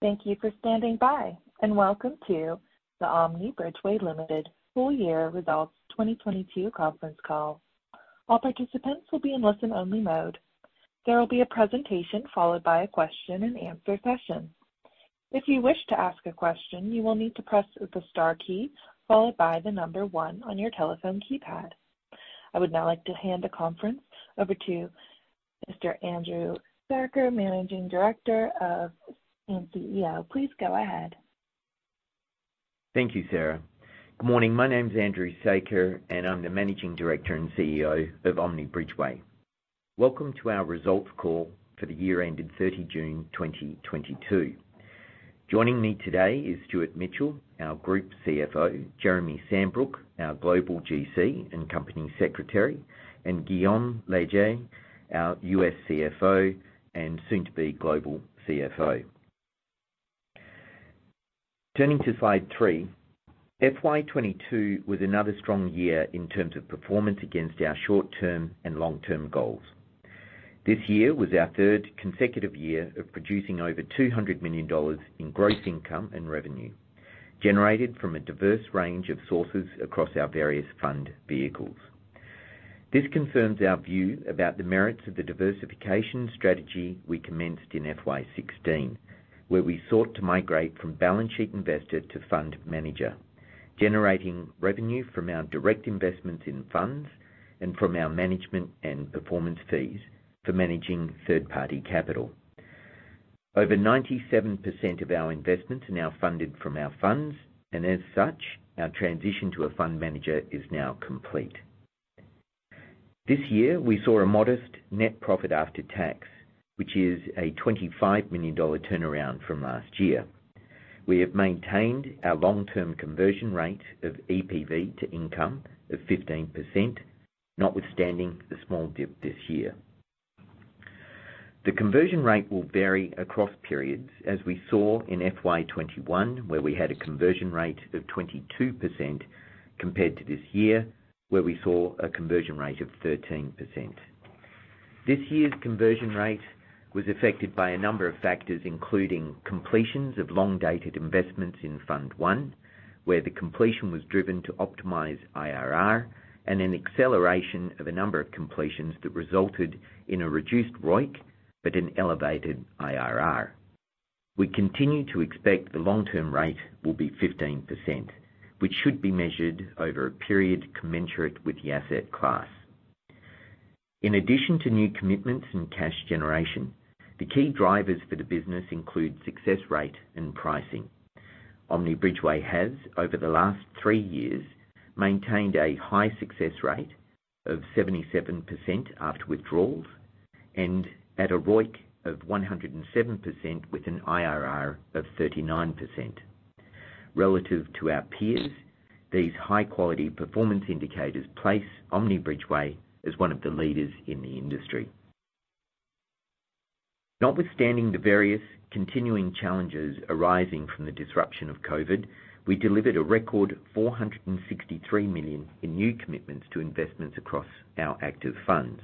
Thank you for standing by, and welcome to the Omni Bridgeway Limited full year results 2022 conference call. All participants will be in listen only mode. There will be a presentation followed by a question-and-answer session. If you wish to ask a question, you will need to press the star key followed by the number one on your telephone keypad. I would now like to hand the conference over to Mr. Andrew Saker, Managing Director and CEO. Please go ahead. Thank you, Sarah. Good morning. My name's Andrew Saker, and I'm the Managing Director and CEO of Omni Bridgeway. Welcome to our results call for the year ended June 30, 2022. Joining me today is Stuart Mitchell, our Group CFO, Jeremy Sambrook, our Global GC and Company Secretary, and Guillaume Leger, our U.S. CFO and soon to be Global CFO. Turning to slide three, FY 2022 was another strong year in terms of performance against our short-term and long-term goals. This year was our third consecutive year of producing over $200 million in gross income and revenue, generated from a diverse range of sources across our various fund vehicles. This confirms our view about the merits of the diversification strategy we commenced in FY 2016, where we sought to migrate from balance sheet investor to fund manager, generating revenue from our direct investments in funds and from our management and performance fees for managing third-party capital. Over 97% of our investments are now funded from our funds, and as such, our transition to a fund manager is now complete. This year, we saw a modest net profit after tax, which is a 25 million dollar turnaround from last year. We have maintained our long-term conversion rate of EPV to income of 15%, notwithstanding the small dip this year. The conversion rate will vary across periods as we saw in FY 2021, where we had a conversion rate of 22% compared to this year, where we saw a conversion rate of 13%. This year's conversion rate was affected by a number of factors, including completions of long-dated investments in Fund 1, where the completion was driven to optimize IRR and an acceleration of a number of completions that resulted in a reduced ROIC but an elevated IRR. We continue to expect the long-term rate will be 15%, which should be measured over a period commensurate with the asset class. In addition to new commitments and cash generation, the key drivers for the business include success rate and pricing. Omni Bridgeway has, over the last three years, maintained a high success rate of 77% after withdrawals and at a ROIC of 107% with an IRR of 39%. Relative to our peers, these high-quality performance indicators place Omni Bridgeway as one of the leaders in the industry. Notwithstanding the various continuing challenges arising from the disruption of COVID, we delivered a record 463 million in new commitments to investments across our active funds.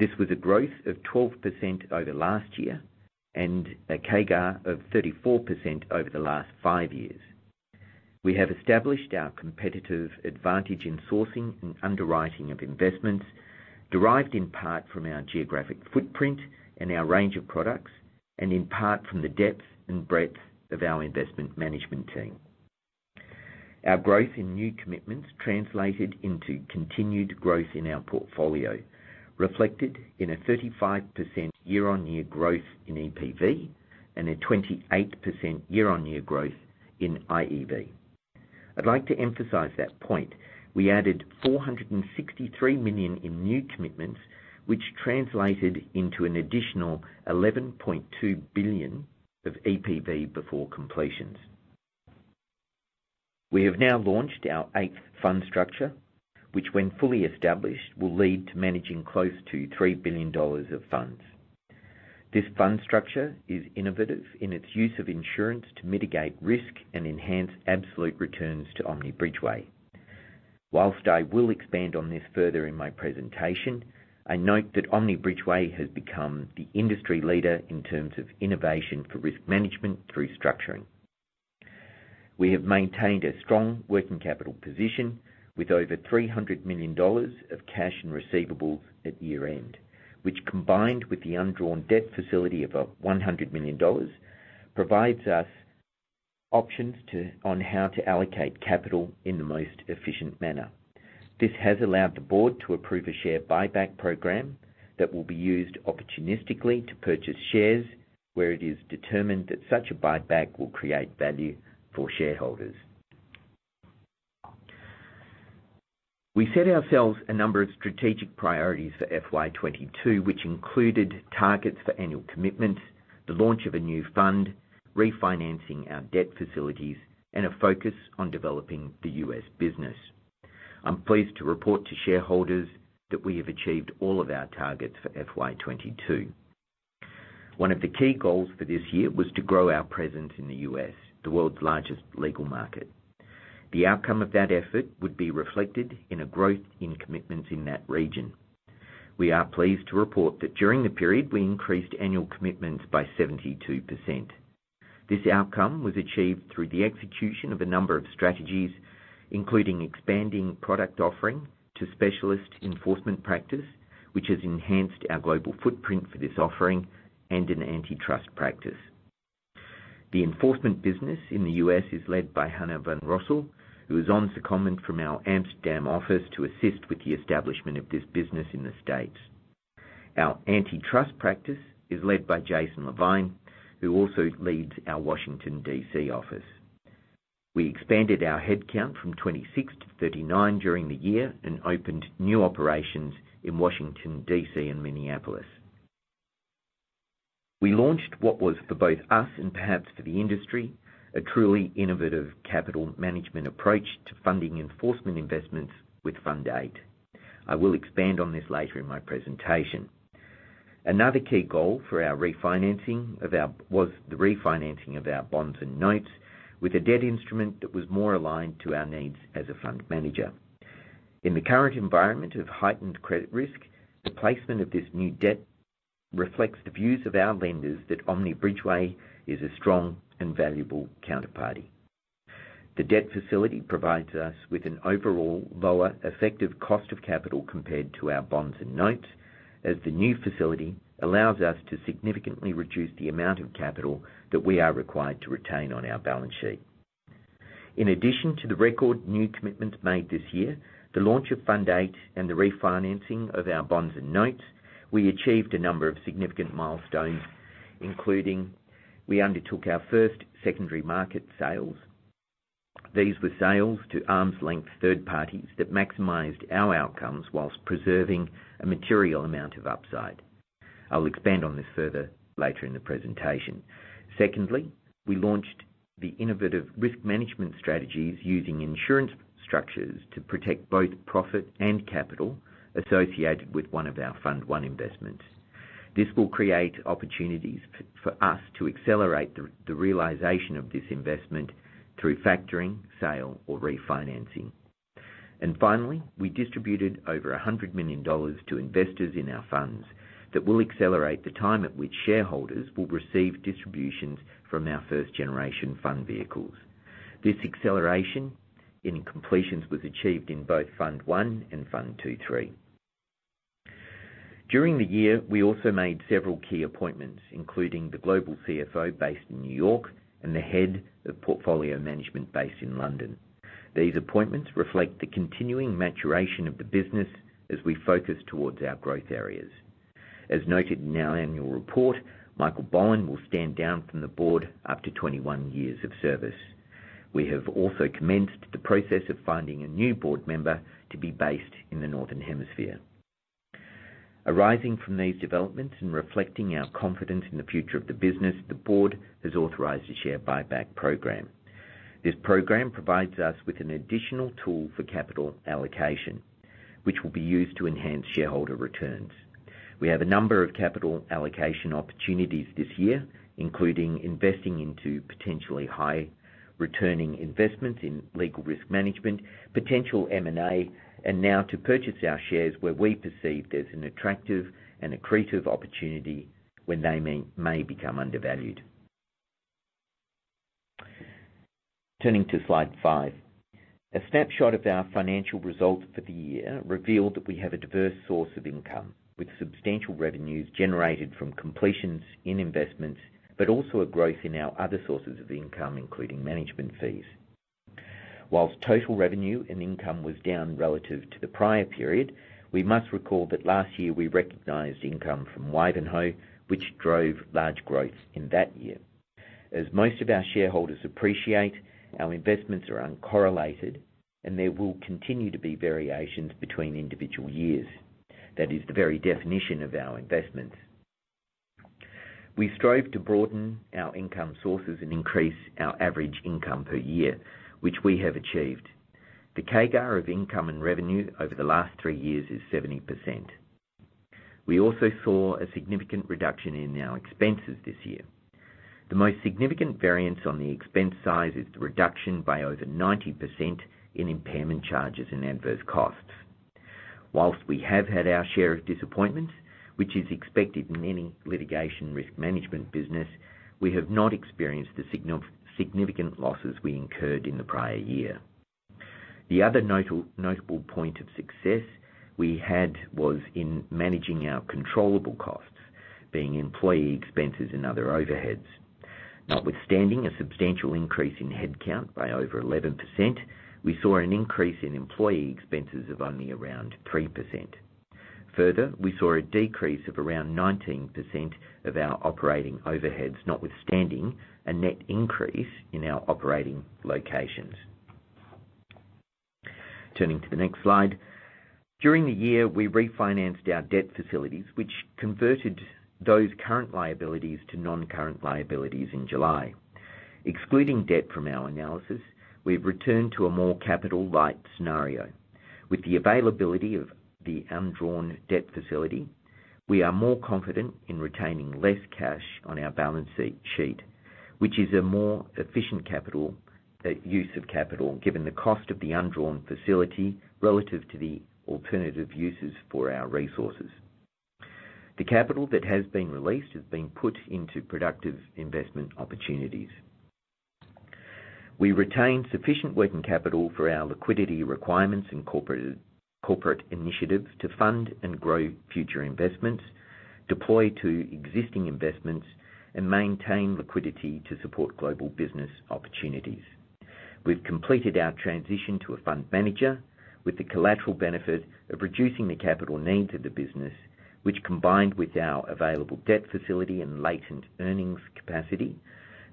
This was a growth of 12% over last year and a CAGR of 34% over the last five years. We have established our competitive advantage in sourcing and underwriting of investments derived in part from our geographic footprint and our range of products, and in part from the depth and breadth of our investment management team. Our growth in new commitments translated into continued growth in our portfolio, reflected in a 35% year-on-year growth in EPV and a 28% year-on-year growth in IEV. I'd like to emphasize that point. We added 463 million in new commitments, which translated into an additional 11.2 billion of EPV before completions. We have now launched our eighth fund structure, which when fully established, will lead to managing close to 3 billion dollars of funds. This fund structure is innovative in its use of insurance to mitigate risk and enhance absolute returns to Omni Bridgeway. While I will expand on this further in my presentation, I note that Omni Bridgeway has become the industry leader in terms of innovation for risk management through structuring. We have maintained a strong working capital position with over 300 million dollars of cash and receivables at year-end, which combined with the undrawn debt facility of 100 million dollars, provides us options to, on how to allocate capital in the most efficient manner. This has allowed the board to approve a share buyback program that will be used opportunistically to purchase shares where it is determined that such a buyback will create value for shareholders. We set ourselves a number of strategic priorities for FY 2022, which included targets for annual commitments, the launch of a new fund, refinancing our debt facilities, and a focus on developing the U.S. business. I'm pleased to report to shareholders that we have achieved all of our targets for FY 2022. One of the key goals for this year was to grow our presence in the U.S., the world's largest legal market. The outcome of that effort would be reflected in a growth in commitments in that region. We are pleased to report that during the period, we increased annual commitments by 72%. This outcome was achieved through the execution of a number of strategies, including expanding product offering to specialist enforcement practice, which has enhanced our global footprint for this offering and an antitrust practice. The enforcement business in the U.S. is led by Hannah van Roessel, who is on secondment from our Amsterdam office to assist with the establishment of this business in the States. Our antitrust practice is led by Jason Levine, who also leads our Washington, D.C. office. We expanded our head count from 26 to 39 during the year and opened new operations in Washington, D.C. and Minneapolis. We launched what was for both us and perhaps for the industry, a truly innovative capital management approach to funding enforcement investments with Fund 8. I will expand on this later in my presentation. Another key goal for our refinancing was the refinancing of our bonds and notes with a debt instrument that was more aligned to our needs as a fund manager. In the current environment of heightened credit risk, the placement of this new debt reflects the views of our lenders that Omni Bridgeway is a strong and valuable counterparty. The debt facility provides us with an overall lower effective cost of capital compared to our bonds and notes, as the new facility allows us to significantly reduce the amount of capital that we are required to retain on our balance sheet. In addition to the record new commitments made this year, the launch of Fund 8 and the refinancing of our bonds and notes, we achieved a number of significant milestones, including we undertook our first secondary market sales. These were sales to arm's-length third parties that maximized our outcomes while preserving a material amount of upside. I'll expand on this further later in the presentation. Secondly, we launched the innovative risk management strategies using insurance structures to protect both profit and capital associated with one of our Fund 1 investments. This will create opportunities for us to accelerate the realization of this investment through factoring, sale, or refinancing. Finally, we distributed over $100 million to investors in our funds that will accelerate the time at which shareholders will receive distributions from our first generation fund vehicles. This acceleration in completions was achieved in both Fund 1 and Funds 2 & 3. During the year, we also made several key appointments, including the Global CFO based in New York and the Head of Portfolio Management based in London. These appointments reflect the continuing maturation of the business as we focus towards our growth areas. As noted in our annual report, Michael Bowen will stand down from the board after 21 years of service. We have also commenced the process of finding a new board member to be based in the Northern Hemisphere. Arising from these developments and reflecting our confidence in the future of the business, the board has authorized a share buyback program. This program provides us with an additional tool for capital allocation, which will be used to enhance shareholder returns. We have a number of capital allocation opportunities this year, including investing into potentially high returning investments in legal risk management, potential M&A, and now to purchase our shares where we perceive there's an attractive and accretive opportunity when they may become undervalued. Turning to slide five. A snapshot of our financial results for the year revealed that we have a diverse source of income, with substantial revenues generated from completions in investments, but also a growth in our other sources of income, including management fees. While total revenue and income was down relative to the prior period, we must recall that last year we recognized income from Wivenhoe, which drove large growth in that year. As most of our shareholders appreciate, our investments are uncorrelated and there will continue to be variations between individual years. That is the very definition of our investments. We strove to broaden our income sources and increase our average income per year, which we have achieved. The CAGR of income and revenue over the last three years is 70%. We also saw a significant reduction in our expenses this year. The most significant variance on the expense side is the reduction by over 90% in impairment charges and adverse costs. While we have had our share of disappointments, which is expected in any litigation risk management business, we have not experienced the significant losses we incurred in the prior year. The other notable point of success we had was in managing our controllable costs, being employee expenses and other overheads. Notwithstanding a substantial increase in headcount by over 11%, we saw an increase in employee expenses of only around 3%. Further, we saw a decrease of around 19% of our operating overheads, notwithstanding a net increase in our operating locations. Turning to the next slide. During the year, we refinanced our debt facilities, which converted those current liabilities to non-current liabilities in July. Excluding debt from our analysis, we've returned to a more capital-light scenario. With the availability of the undrawn debt facility. We are more confident in retaining less cash on our balance sheet, which is a more efficient capital use of capital, given the cost of the undrawn facility relative to the alternative uses for our resources. The capital that has been released has been put into productive investment opportunities. We retain sufficient working capital for our liquidity requirements and corporate initiatives to fund and grow future investments, deploy to existing investments, and maintain liquidity to support global business opportunities. We've completed our transition to a fund manager with the collateral benefit of reducing the capital needs of the business, which combined with our available debt facility and latent earnings capacity,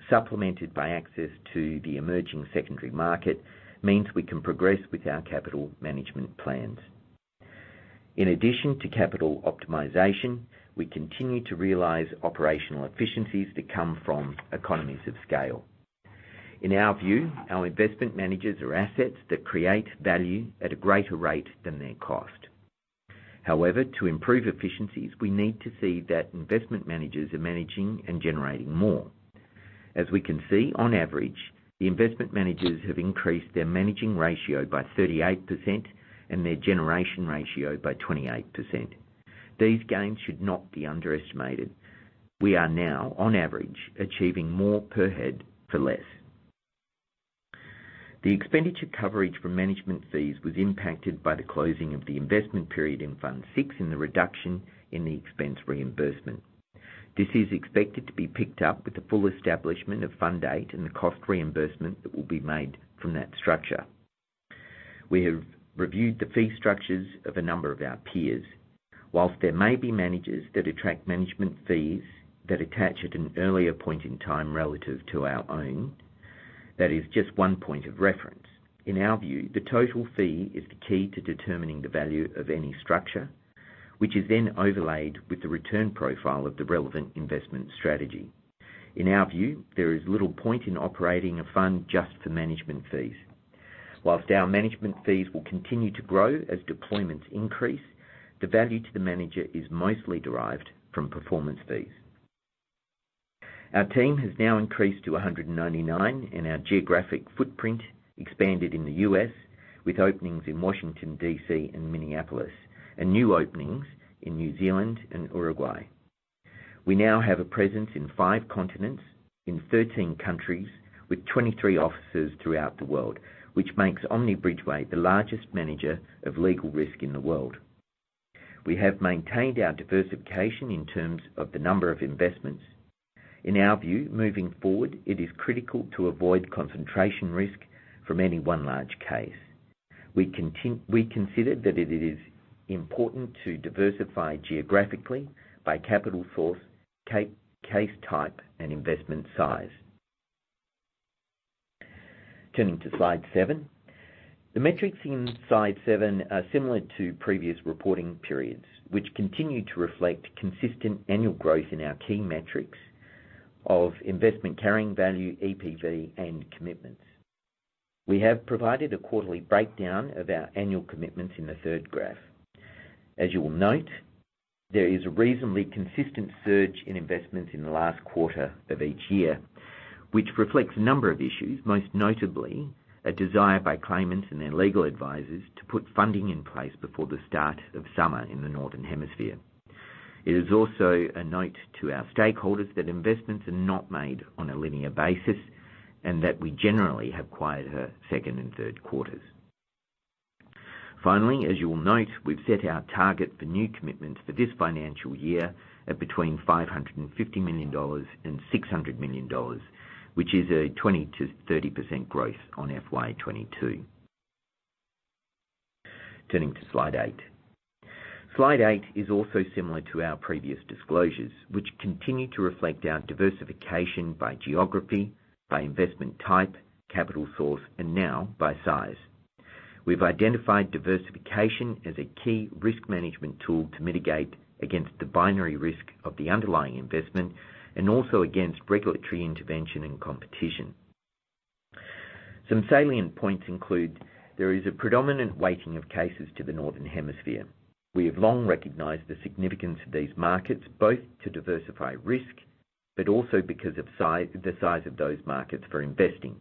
supplemented by access to the emerging secondary market, means we can progress with our capital management plans. In addition to capital optimization, we continue to realize operational efficiencies that come from economies of scale. In our view, our investment managers are assets that create value at a greater rate than their cost. However, to improve efficiencies, we need to see that investment managers are managing and generating more. As we can see, on average, the investment managers have increased their managing ratio by 38% and their generation ratio by 28%. These gains should not be underestimated. We are now, on average, achieving more per head for less. The expenditure coverage for management fees was impacted by the closing of the investment period in Fund 6 and the reduction in the expense reimbursement. This is expected to be picked up with the full establishment of Fund 8 and the cost reimbursement that will be made from that structure. We have reviewed the fee structures of a number of our peers. While there may be managers that attract management fees that attach at an earlier point in time relative to our own, that is just one point of reference. In our view, the total fee is the key to determining the value of any structure, which is then overlaid with the return profile of the relevant investment strategy. In our view, there is little point in operating a fund just for management fees. While our management fees will continue to grow as deployments increase, the value to the manager is mostly derived from performance fees. Our team has now increased to 199, and our geographic footprint expanded in the U.S. with openings in Washington, D.C., and Minneapolis, and new openings in New Zealand and Uruguay. We now have a presence in five continents, in 13 countries, with 23 offices throughout the world, which makes Omni Bridgeway the largest manager of legal risk in the world. We have maintained our diversification in terms of the number of investments. In our view, moving forward, it is critical to avoid concentration risk from any one large case. We consider that it is important to diversify geographically by capital source, case type, and investment size. Turning to slide seven. The metrics in slide seven are similar to previous reporting periods, which continue to reflect consistent annual growth in our key metrics of investment carrying value, EPV, and commitments. We have provided a quarterly breakdown of our annual commitments in the third graph. As you will note, there is a reasonably consistent surge in investments in the last quarter of each year, which reflects a number of issues, most notably a desire by claimants and their legal advisors to put funding in place before the start of summer in the Northern Hemisphere. It is also a note to our stakeholders that investments are not made on a linear basis, and that we generally have quieter second and third quarters. Finally, as you will note, we've set our target for new commitments for this financial year at between 550 million dollars and 600 million dollars, which is a 20%-30% growth on FY 2022. Turning to slide eight. Slide eight is also similar to our previous disclosures, which continue to reflect our diversification by geography, by investment type, capital source, and now by size. We've identified diversification as a key risk management tool to mitigate against the binary risk of the underlying investment and also against regulatory intervention and competition. Some salient points include. There is a predominant weighting of cases to the Northern Hemisphere. We have long recognized the significance of these markets, both to diversify risk, but also because of the size of those markets for investing.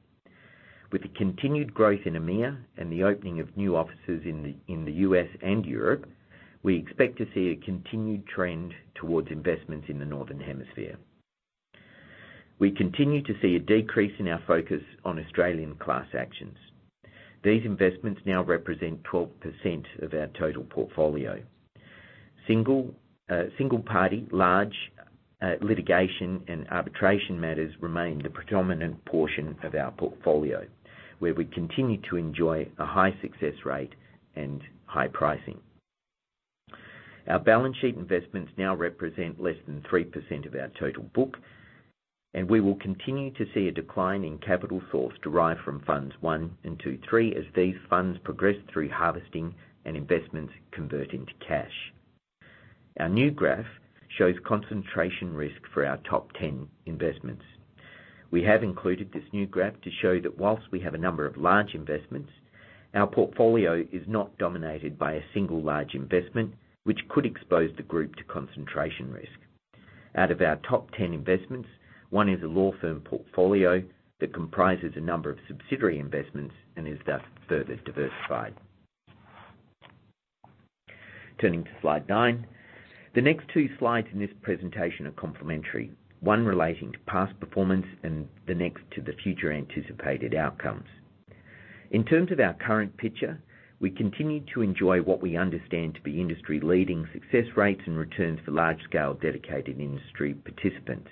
With the continued growth in EMEA and the opening of new offices in the U.S. and Europe, we expect to see a continued trend towards investments in the Northern Hemisphere. We continue to see a decrease in our focus on Australian class actions. These investments now represent 12% of our total portfolio. Single-party, large litigation and arbitration matters remain the predominant portion of our portfolio, where we continue to enjoy a high success rate and high pricing. Our balance sheet investments now represent less than 3% of our total book, and we will continue to see a decline in capital source derived from Funds 1 and 2 & 3, as these funds progress through harvesting and investments convert into cash. Our new graph shows concentration risk for our top 10 investments. We have included this new graph to show that while we have a number of large investments, our portfolio is not dominated by a single large investment, which could expose the group to concentration risk. Out of our top 10 investments, one is a law firm portfolio that comprises a number of subsidiary investments and is thus further diversified. Turning to slide nine. The next two slides in this presentation are complementary, one relating to past performance and the next to the future anticipated outcomes. In terms of our current picture, we continue to enjoy what we understand to be industry-leading success rates and returns for large-scale dedicated industry participants.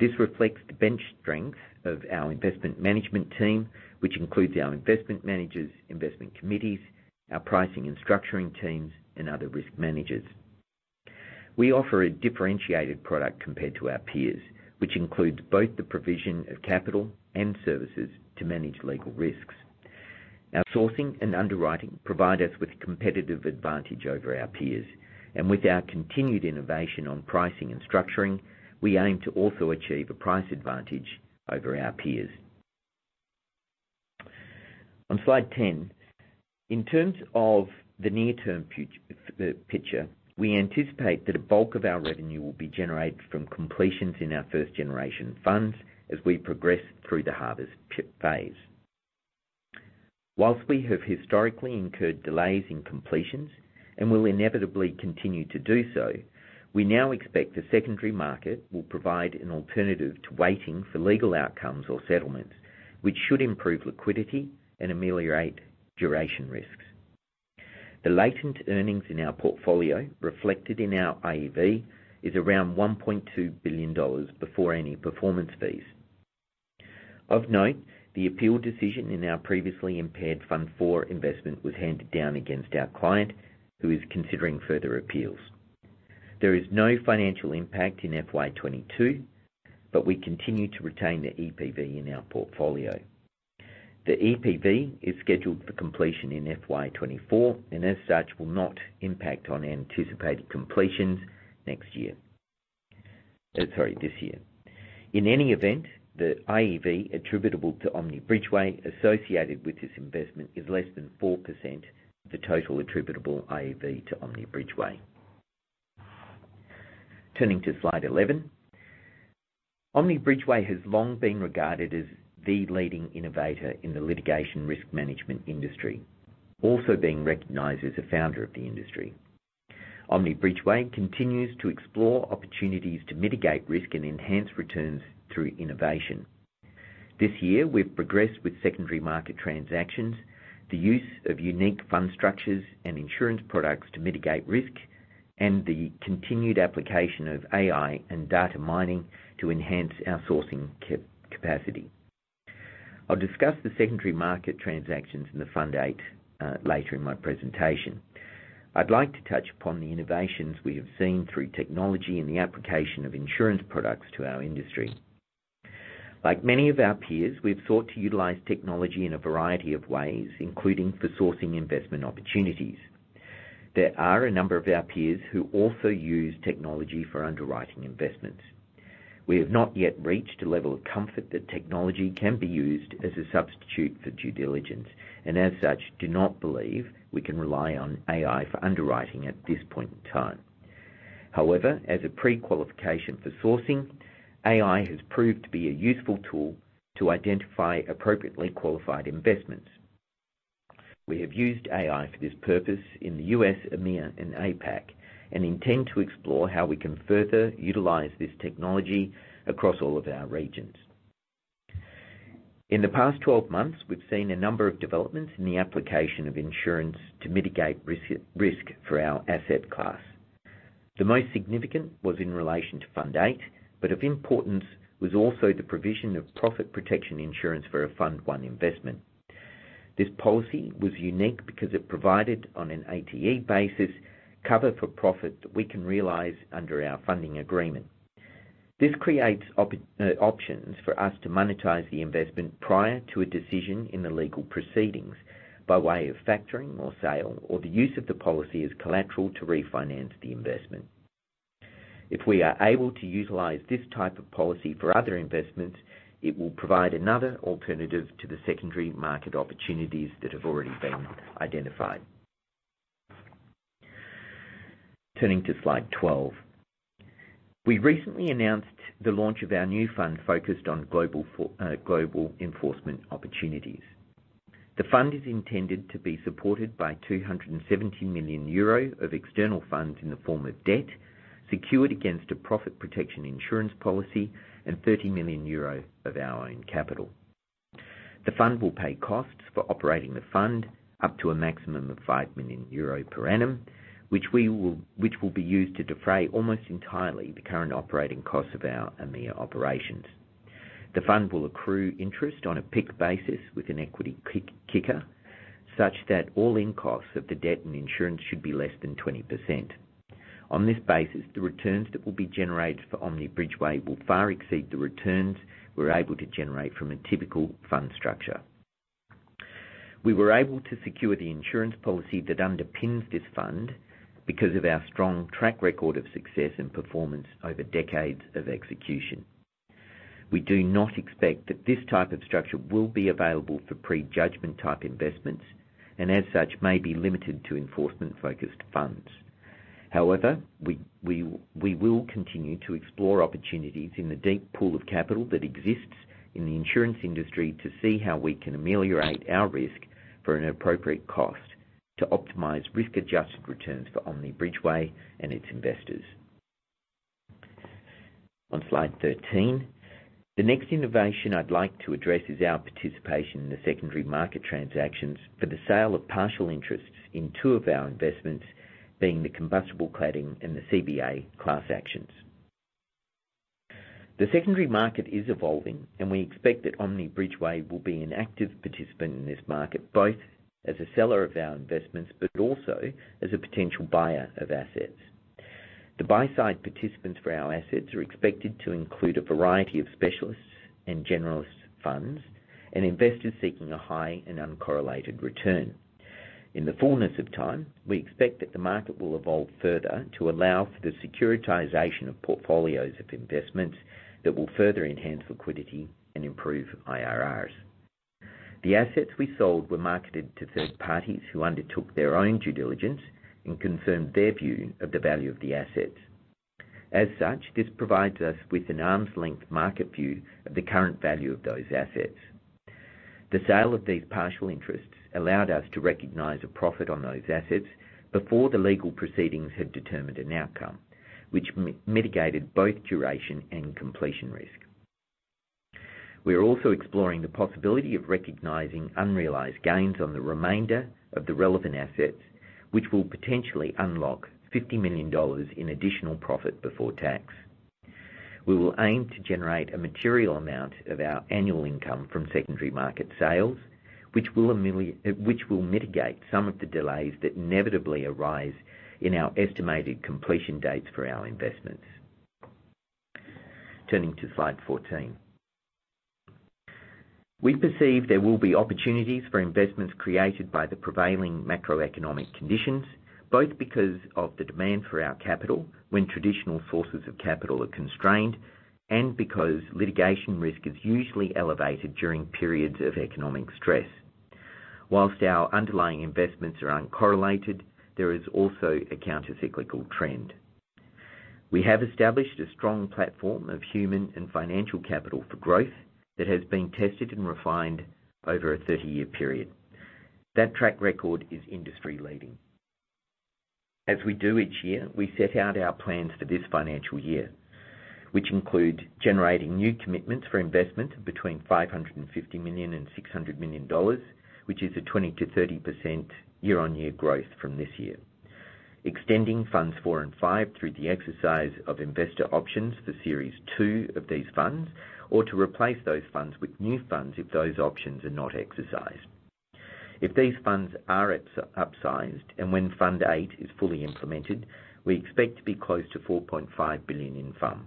This reflects the bench strength of our investment management team, which includes our investment managers, investment committees, our pricing and structuring teams, and other risk managers. We offer a differentiated product compared to our peers, which includes both the provision of capital and services to manage legal risks. Our sourcing and underwriting provide us with competitive advantage over our peers, and with our continued innovation on pricing and structuring, we aim to also achieve a price advantage over our peers. On slide 10. In terms of the near-term picture, we anticipate that a bulk of our revenue will be generated from completions in our first-generation funds as we progress through the harvest phase. While we have historically incurred delays in completions and will inevitably continue to do so, we now expect the secondary market will provide an alternative to waiting for legal outcomes or settlements, which should improve liquidity and ameliorate duration risks. The latent earnings in our portfolio reflected in our AIV is around $1.2 billion before any performance fees. Of note, the appeal decision in our previously impaired Fund 4 investment was handed down against our client who is considering further appeals. There is no financial impact in FY 2022, but we continue to retain the EPV in our portfolio. The EPV is scheduled for completion in FY 2024, and as such, will not impact on anticipated completions this year. In any event, the AIV attributable to Omni Bridgeway associated with this investment is less than 4% the total attributable AIV to Omni Bridgeway. Turning to slide 11. Omni Bridgeway has long been regarded as the leading innovator in the litigation risk management industry, also being recognized as a founder of the industry. Omni Bridgeway continues to explore opportunities to mitigate risk and enhance returns through innovation. This year, we've progressed with secondary market transactions, the use of unique fund structures and insurance products to mitigate risk, and the continued application of AI and data mining to enhance our sourcing capacity. I'll discuss the secondary market transactions in the Fund 8 later in my presentation. I'd like to touch upon the innovations we have seen through technology and the application of insurance products to our industry. Like many of our peers, we've sought to utilize technology in a variety of ways, including for sourcing investment opportunities. There are a number of our peers who also use technology for underwriting investments. We have not yet reached a level of comfort that technology can be used as a substitute for due diligence, and as such, do not believe we can rely on AI for underwriting at this point in time. However, as a pre-qualification for sourcing, AI has proved to be a useful tool to identify appropriately qualified investments. We have used AI for this purpose in the U.S., EMEA, and APAC, and intend to explore how we can further utilize this technology across all of our regions. In the past 12 months, we've seen a number of developments in the application of insurance to mitigate risk for our asset class. The most significant was in relation to Fund 8, but of importance was also the provision of profit protection insurance for a Fund 1 investment. This policy was unique because it provided on an ATE basis cover for profit that we can realize under our funding agreement. This creates options for us to monetize the investment prior to a decision in the legal proceedings by way of factoring or sale, or the use of the policy as collateral to refinance the investment. If we are able to utilize this type of policy for other investments, it will provide another alternative to the secondary market opportunities that have already been identified. Turning to slide 12. We recently announced the launch of our new fund focused on global enforcement opportunities. The fund is intended to be supported by 270 million euro of external funds in the form of debt secured against a profit protection insurance policy and 30 million euro of our own capital. The fund will pay costs for operating the fund up to a maximum of 5 million euro per annum, which will be used to defray almost entirely the current operating costs of our EMEA operations. The fund will accrue interest on a PIK basis with an equity kick-kicker, such that all-in costs of the debt and insurance should be less than 20%. On this basis, the returns that will be generated for Omni Bridgeway will far exceed the returns we're able to generate from a typical fund structure. We were able to secure the insurance policy that underpins this fund because of our strong track record of success and performance over decades of execution. We do not expect that this type of structure will be available for pre-judgment type investments and as such may be limited to enforcement-focused funds. However, we will continue to explore opportunities in the deep pool of capital that exists in the insurance industry to see how we can ameliorate our risk for an appropriate cost to optimize risk-adjusted returns for Omni Bridgeway and its investors. On slide 13, the next innovation I'd like to address is our participation in the secondary market transactions for the sale of partial interests in two of our investments, being the Combustible Cladding and the CBA class actions. The secondary market is evolving, and we expect that Omni Bridgeway will be an active participant in this market, both as a seller of our investments but also as a potential buyer of assets. The buy-side participants for our assets are expected to include a variety of specialists and generalist funds and investors seeking a high and uncorrelated return. In the fullness of time, we expect that the market will evolve further to allow for the securitization of portfolios of investments that will further enhance liquidity and improve IRRs. The assets we sold were marketed to third parties who undertook their own due diligence and confirmed their view of the value of the assets. As such, this provides us with an arm's-length market view of the current value of those assets. The sale of these partial interests allowed us to recognize a profit on those assets before the legal proceedings have determined an outcome which mitigated both duration and completion risk. We are also exploring the possibility of recognizing unrealized gains on the remainder of the relevant assets, which will potentially unlock $50 million in additional profit before tax. We will aim to generate a material amount of our annual income from secondary market sales, which will mitigate some of the delays that inevitably arise in our estimated completion dates for our investments. Turning to slide 14. We perceive there will be opportunities for investments created by the prevailing macroeconomic conditions, both because of the demand for our capital when traditional sources of capital are constrained and because litigation risk is usually elevated during periods of economic stress. While our underlying investments are uncorrelated, there is also a countercyclical trend. We have established a strong platform of human and financial capital for growth that has been tested and refined over a 30-year period. That track record is industry-leading. As we do each year, we set out our plans for this financial year, which include generating new commitments for investment between 550 million and 600 million dollars, which is a 20%-30% year-on-year growth from this year. Extending Funds IV and V through the exercise of investor options for Series Two of these funds, or to replace those funds with new funds if those options are not exercised. If these funds are upsized, and when Fund 8 is fully implemented, we expect to be close to 4.5 billion in FUM.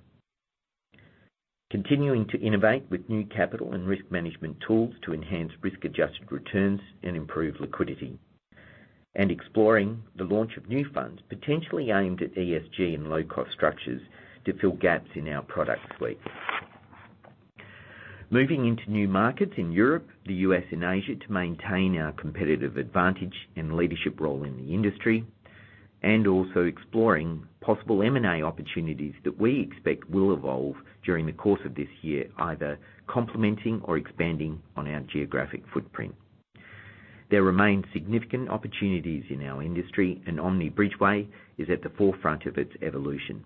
Continuing to innovate with new capital and risk management tools to enhance risk-adjusted returns and improve liquidity. Exploring the launch of new funds, potentially aimed at ESG and low-cost structures to fill gaps in our product suite. Moving into new markets in Europe, the U.S., and Asia to maintain our competitive advantage and leadership role in the industry, and also exploring possible M&A opportunities that we expect will evolve during the course of this year, either complementing or expanding on our geographic footprint. There remain significant opportunities in our industry, and Omni Bridgeway is at the forefront of its evolution.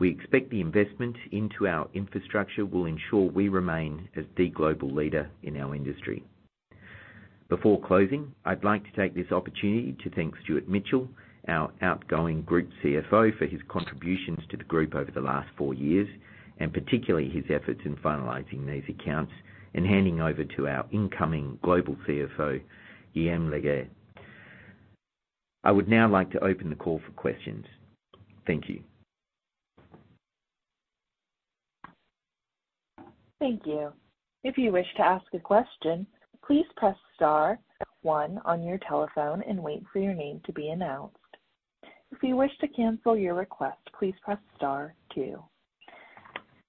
We expect the investment into our infrastructure will ensure we remain as the global leader in our industry. Before closing, I'd like to take this opportunity to thank Stuart Mitchell, our outgoing Group CFO, for his contributions to the Group over the last four years, and particularly his efforts in finalizing these accounts and handing over to our incoming Global CFO, Guillaume Leger. I would now like to open the call for questions. Thank you. Thank you. If you wish to ask a question, please press star one on your telephone and wait for your name to be announced. If you wish to cancel your request, please press star two.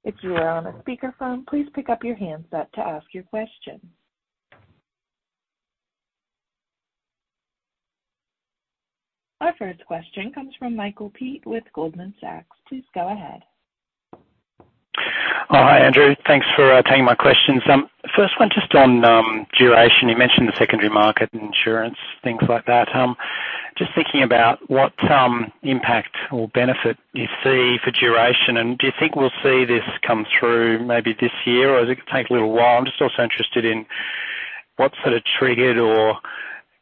If you are on a speakerphone, please pick up your handset to ask your question. Our first question comes from Michael Peet with Goldman Sachs. Please go ahead. Oh, hi, Andrew. Thanks for taking my questions. First one, just on duration. You mentioned the secondary market insurance, things like that. Just thinking about what impact or benefit you see for duration, and do you think we'll see this come through maybe this year, or is it gonna take a little while? I'm just also interested in what sort of triggered or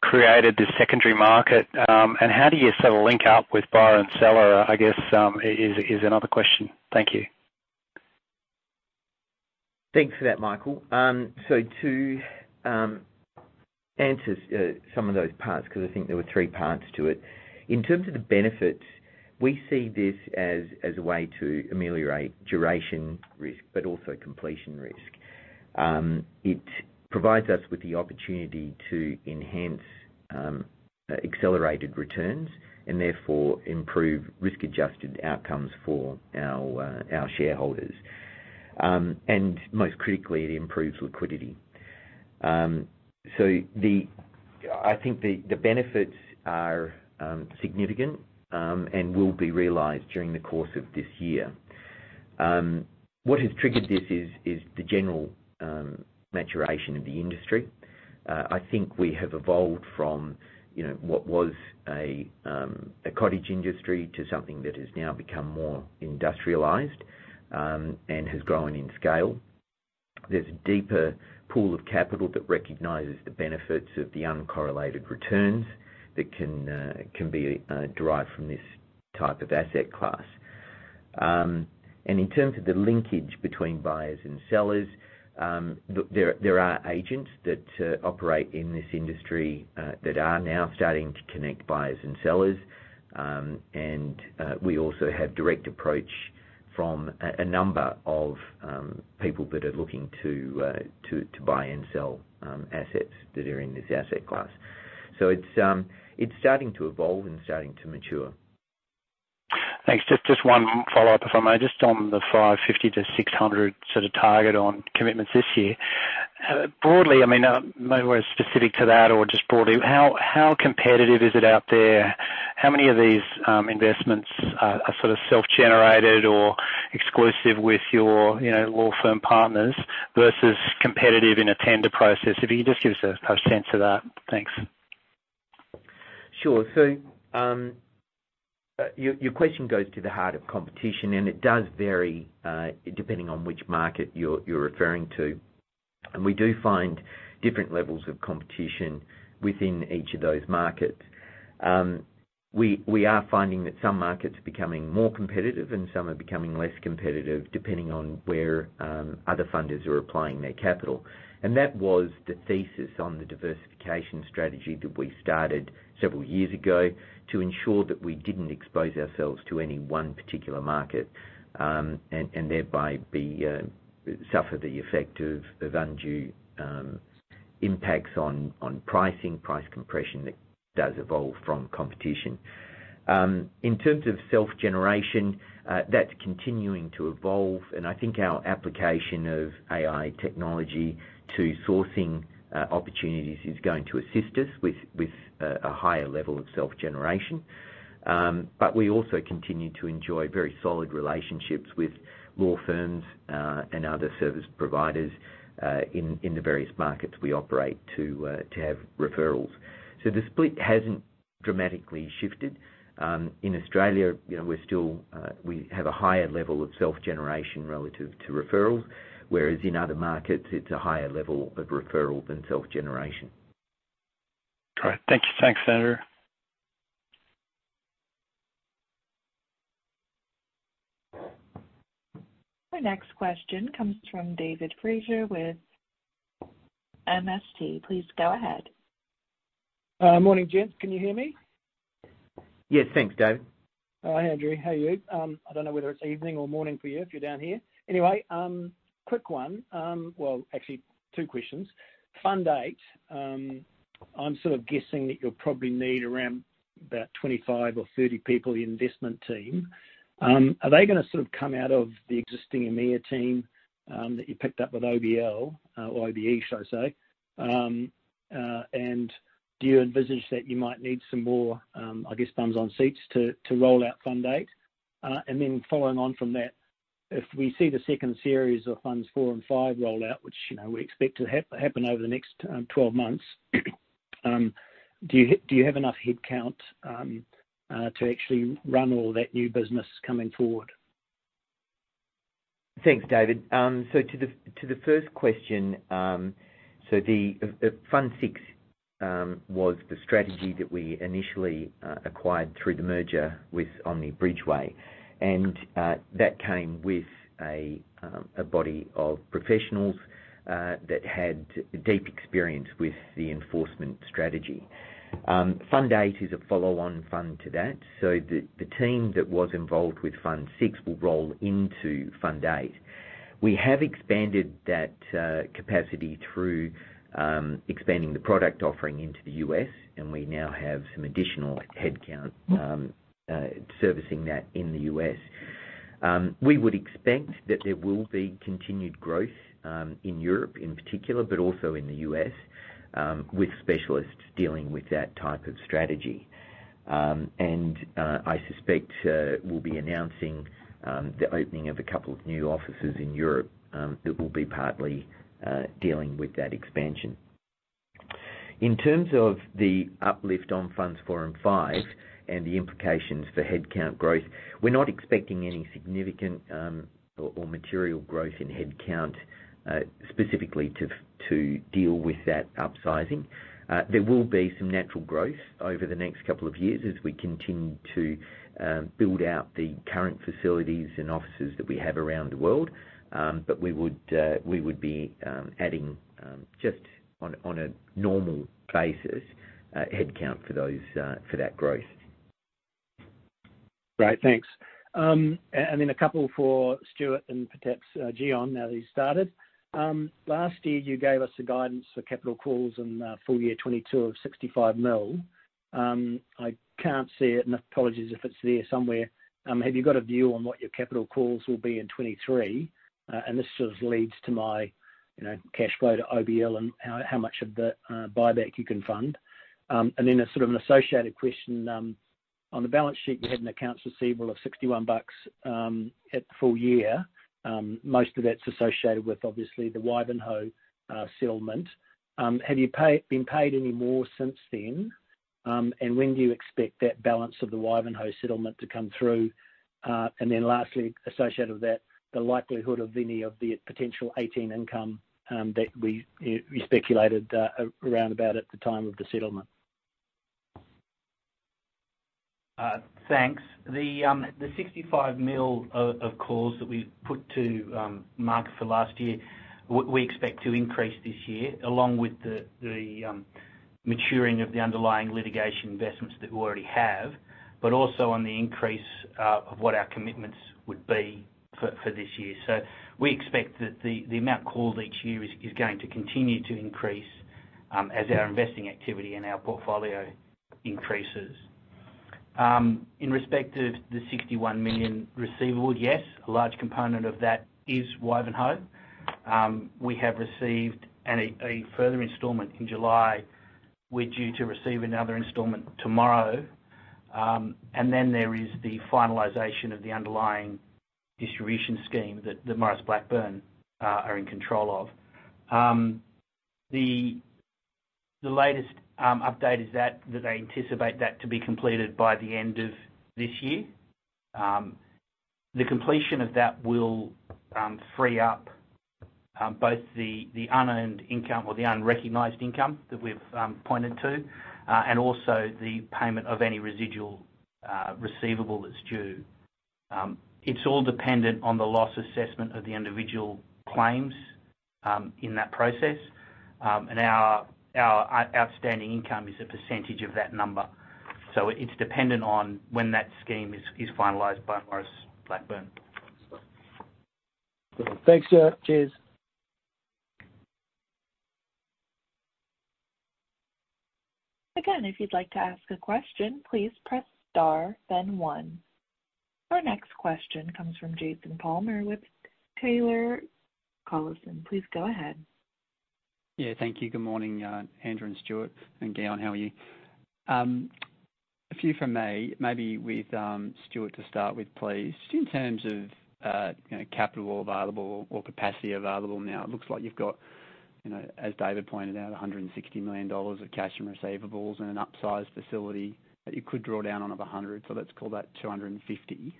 created the secondary market, and how do you sort of link up with buyer and seller, I guess, is another question. Thank you. Thanks for that, Michael. So to answer some of those parts, because I think there were three parts to it. In terms of the benefit. We see this as a way to ameliorate duration risk, but also completion risk. It provides us with the opportunity to enhance accelerated returns and therefore improve risk-adjusted outcomes for our shareholders. Most critically, it improves liquidity. I think the benefits are significant and will be realized during the course of this year. What has triggered this is the general maturation of the industry. I think we have evolved from, you know, what was a cottage industry to something that has now become more industrialized and has grown in scale. There's a deeper pool of capital that recognizes the benefits of the uncorrelated returns that can be derived from this type of asset class. In terms of the linkage between buyers and sellers, there are agents that operate in this industry that are now starting to connect buyers and sellers. We also have direct approach from a number of people that are looking to buy and sell assets that are in this asset class. It's starting to evolve and starting to mature. Thanks. Just one follow-up if I may. Just on the 550-600 sort of target on commitments this year. Broadly, I mean, maybe where it's specific to that or just broadly, how competitive is it out there? How many of these investments are sort of self-generated or exclusive with your, you know, law firm partners versus competitive in a tender process? If you could just give us a sense of that. Thanks. Sure. So, your question goes to the heart of competition, and it does vary, depending on which market you're referring to. We do find different levels of competition within each of those markets. We are finding that some markets are becoming more competitive and some are becoming less competitive depending on where other funders are applying their capital. That was the thesis on the diversification strategy that we started several years ago to ensure that we didn't expose ourselves to any one particular market, and thereby suffer the effect of undue impacts on pricing, price compression that does evolve from competition. In terms of self-generation, that's continuing to evolve, and I think our application of AI technology to sourcing opportunities is going to assist us with a higher level of self-generation. We also continue to enjoy very solid relationships with law firms and other service providers in the various markets we operate in to have referrals. The split hasn't dramatically shifted. In Australia, you know, we still have a higher level of self-generation relative to referrals, whereas in other markets, it's a higher level of referral than self-generation. Great. Thank you. Thanks, Andrew. Our next question comes from David Fraser with MST. Please go ahead. Morning, gents. Can you hear me? Yes. Thanks, Dave. Hi, Andrew. How are you? I don't know whether it's evening or morning for you if you're down here. Anyway, quick one, well, actually two questions. Fund 8, I'm sort of guessing that you'll probably need around about 25 or 30 people in your investment team. Are they gonna sort of come out of the existing EMEA team, that you picked up with OBL, or OBL, should I say? And do you envisage that you might need some more, I guess, bums on seats to roll out Fund 8? Following on from that, if we see the second series of Funds 4 and 5 rollout, which, you know, we expect to happen over the next 12 months, do you have enough headcount to actually run all that new business coming forward? Thanks, David. To the first question, the Fund 6 was the strategy that we initially acquired through the merger with Omni Bridgeway. That came with a body of professionals that had deep experience with the enforcement strategy. Fund 8 is a follow-on fund to that. The team that was involved with Fund 6 will roll into Fund 8. We have expanded that capacity through expanding the product offering into the U.S., and we now have some additional headcount servicing that in the U.S. We would expect that there will be continued growth in Europe in particular, but also in the U.S., with specialists dealing with that type of strategy. I suspect we'll be announcing the opening of a couple of new offices in Europe that will be partly dealing with that expansion. In terms of the uplift on Funds 4 and 5 and the implications for headcount growth, we're not expecting any significant or material growth in headcount specifically to deal with that upsizing. There will be some natural growth over the next couple of years as we continue to build out the current facilities and offices that we have around the world. We would be adding just on a normal basis headcount for that growth. Great, thanks. Then a couple for Stuart and perhaps Gian, now that he's started. Last year, you gave us a guidance for capital calls in full year 2022 of 65 million. I can't see it, and apologies if it's there somewhere. Have you got a view on what your capital calls will be in 2023? This sort of leads to my, you know, cash flow to OBL and how much of the buyback you can fund. Then a sort of an associated question on the balance sheet, you had an accounts receivable of 61 million bucks at the full year. Most of that's associated with obviously the Wivenhoe settlement. Have you been paid any more since then? When do you expect that balance of the Wivenhoe settlement to come through? Lastly, associated with that, the likelihood of any of the potential 18 income that we, you speculated, around about at the time of the settlement. Thanks. The 65 million of calls that we've put to market for last year, we expect to increase this year, along with the maturing of the underlying litigation investments that we already have, but also on the increase of what our commitments would be for this year. We expect that the amount called each year is going to continue to increase as our investing activity and our portfolio increases. In respect to the 61 million receivable, yes, a large component of that is Wivenhoe. We have received a further installment in July. We're due to receive another installment tomorrow. Then there is the finalization of the underlying distribution scheme that the Maurice Blackburn are in control of. The latest update is that they anticipate that to be completed by the end of this year. The completion of that will free up both the unearned income or the unrecognized income that we've pointed to, and also the payment of any residual receivable that's due. It's all dependent on the loss assessment of the individual claims in that process. Our outstanding income is a percentage of that number. It's dependent on when that scheme is finalized by Maurice Blackburn. Thanks, Stuart. Cheers. Again, if you'd like to ask a question, please press star then one. Our next question comes from Jason Palmer with Taylor Collison. Please go ahead. Yeah, thank you. Good morning, Andrew and Stuart and Gian, how are you? A few from me, maybe with Stuart to start with, please. Just in terms of, you know, capital available or capacity available now, it looks like you've got, you know, as David pointed out, 160 million dollars of cash and receivables and an upsized facility that you could draw down on of 100 million. So let's call that 250 million.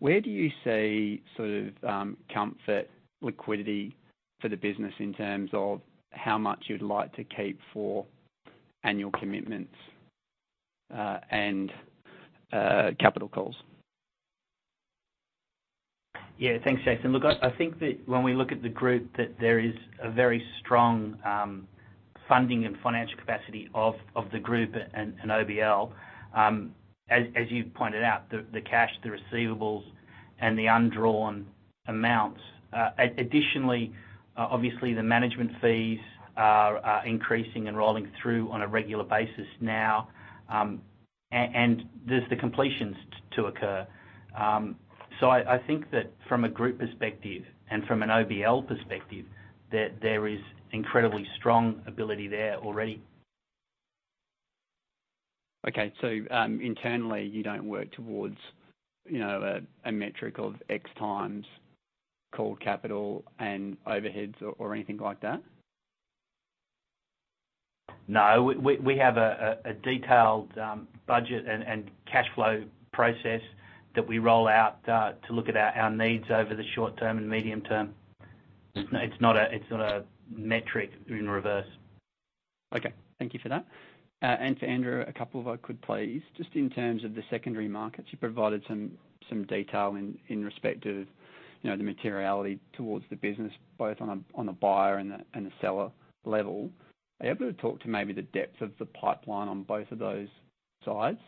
Where do you see sort of comfort, liquidity for the business in terms of how much you'd like to keep for annual commitments, and capital calls? Yeah. Thanks, Jason. Look, I think that when we look at the group, that there is a very strong funding and financial capacity of the group and OBL. As you pointed out, the cash, the receivables, and the undrawn amounts. Additionally, obviously the management fees are increasing and rolling through on a regular basis now, and there's the completions to occur. I think that from a group perspective and from an OBL perspective, that there is incredibly strong ability there already. Internally, you don't work towards, you know, a metric of X times called capital and overheads or anything like that? No. We have a detailed budget and cash flow process that we roll out to look at our needs over the short term and medium term. It's not a metric in reverse. Okay. Thank you for that. To Andrew, a couple if I could please. Just in terms of the secondary markets, you provided some detail in respect to, you know, the materiality towards the business, both on a buyer and a seller level. Are you able to talk to maybe the depth of the pipeline on both of those sides,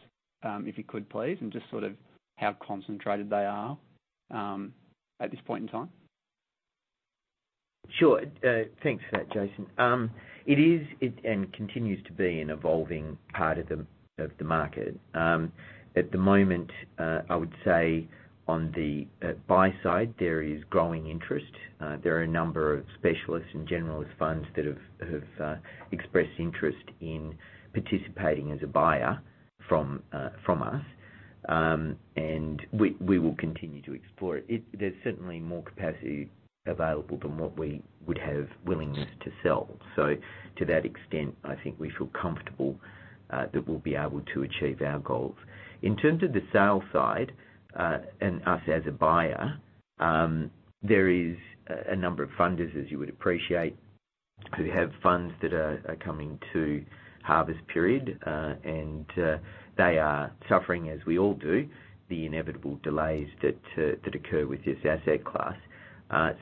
if you could please, and just sort of how concentrated they are at this point in time? Sure. Thanks for that, Jason. It is and continues to be an evolving part of the market. At the moment, I would say on the buy side, there is growing interest. There are a number of specialists and generalist funds that have expressed interest in participating as a buyer from us. We will continue to explore it. There's certainly more capacity available than what we would have willingness to sell. To that extent, I think we feel comfortable that we'll be able to achieve our goals. In terms of the sale side and us as a buyer, there is a number of funders, as you would appreciate. Who have funds that are coming to harvest period, and they are suffering, as we all do, the inevitable delays that occur with this asset class.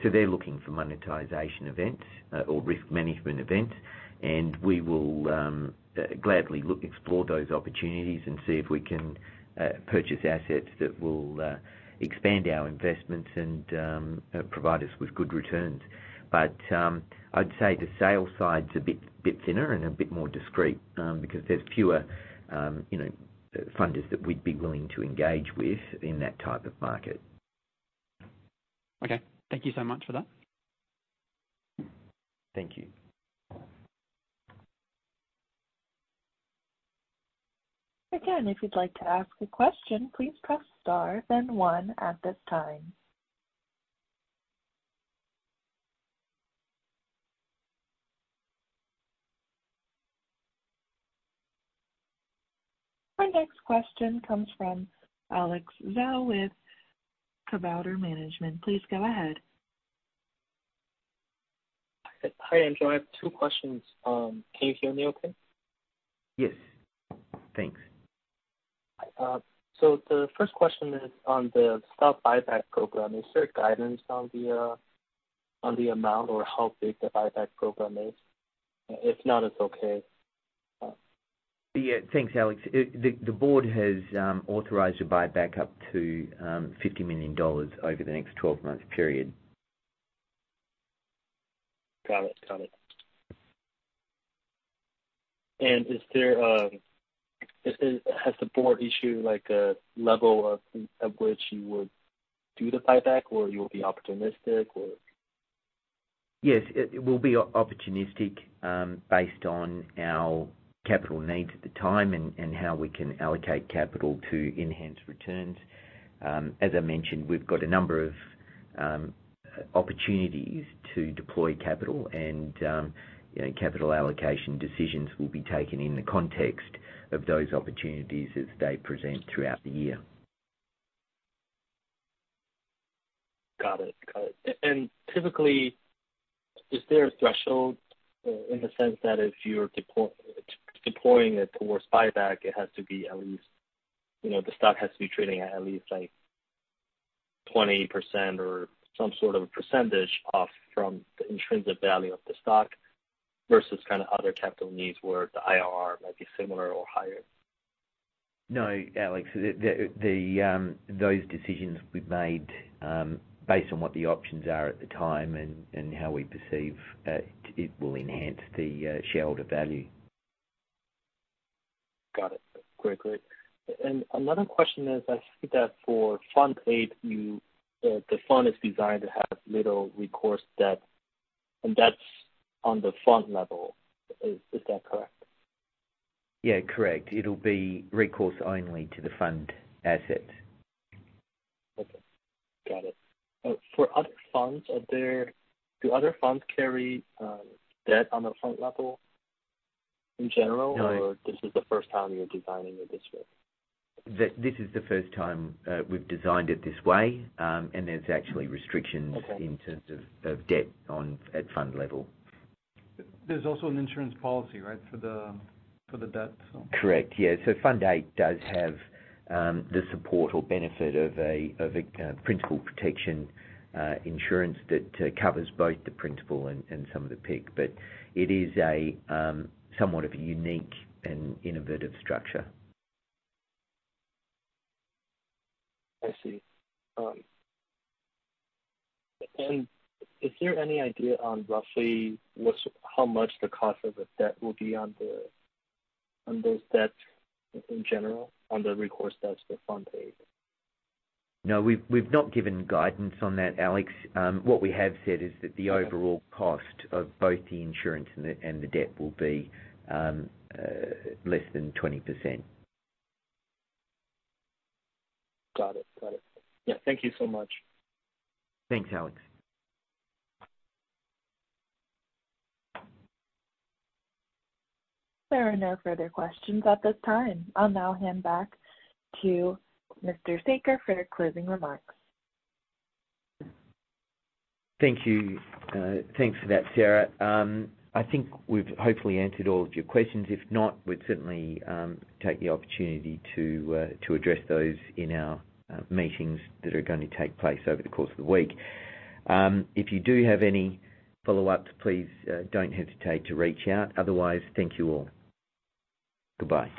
They're looking for monetization events or risk management event, and we will gladly look, explore those opportunities and see if we can purchase assets that will expand our investments and provide us with good returns. I'd say the sale side's a bit thinner and a bit more discreet, because there's fewer funders that we'd be willing to engage with in that type of market. Okay. Thank you so much for that. Thank you. Again, if you'd like to ask a question, please press Star, then one at this time. Our next question comes from Alex Zhao with Cavouder Management. Please go ahead. Hi, Andrew. I have two questions. Can you hear me okay? Yes. Thanks. The first question is on the stock buyback program. Is there guidance on the amount or how big the buyback program is? If not, it's okay. Yeah. Thanks, Alex. The board has authorized to buy back up to 50 million dollars over the next 12 months period. Got it. Has the board issued like a level of which you would do the buyback, or you'll be opportunistic, or? Yes. It will be opportunistic, based on our capital needs at the time and how we can allocate capital to enhance returns. As I mentioned, we've got a number of opportunities to deploy capital and, you know, capital allocation decisions will be taken in the context of those opportunities as they present throughout the year. Got it. Typically, is there a threshold in the sense that if you're deploying it towards buyback, it has to be at least, you know, the stock has to be trading at least like 20% or some sort of a percentage off from the intrinsic value of the stock versus kinda other capital needs where the IRR might be similar or higher? No, Alex. Those decisions we've made, based on what the options are at the time and how we perceive it will enhance the shareholder value. Got it. Great. Another question is, I see that for Fund 8, you, the fund is designed to have limited recourse debt, and that's on the fund level. Is that correct? Yeah. Correct. It'll be recourse only to the fund assets. Okay. Got it. For other funds out there, do other funds carry debt on the fund level in general? No. This is the first time you're designing it this way? This is the first time we've designed it this way. There's actually restrictions. Okay. In terms of debt at fund level. There's also an insurance policy, right? For the debt, so. Correct. Yeah. Fund 8 does have the support or benefit of a principal protection insurance that covers both the principal and some of the PIK, but it is somewhat of a unique and innovative structure. I see. Is there any idea on roughly how much the cost of the debt will be on those debts in general, on the recourse debts for Fund 8? No. We've not given guidance on that, Alex. What we have said is that the overall cost of both the insurance and the debt will be less than 20%. Got it. Yeah. Thank you so much. Thanks, Alex. There are no further questions at this time. I'll now hand back to Mr. Saker for your closing remarks. Thank you. Thanks for that, Sarah. I think we've hopefully answered all of your questions. If not, we'd certainly take the opportunity to address those in our meetings that are gonna take place over the course of the week. If you do have any follow-ups, please don't hesitate to reach out. Otherwise, thank you all. Goodbye.